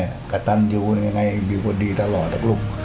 รักแม่กับตันอยู่ยังไงอยู่กว่าดีตลอดครับลูก